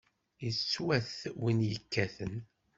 Yettwat win yekkaten.